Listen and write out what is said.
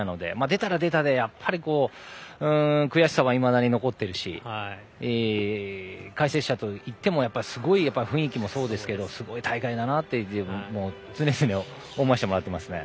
出たら出たで、やっぱり悔しさはいまだに残っているし解説者といってもすごい、雰囲気もそうですけどすごい大会だなって常々、思わせてもらってますね。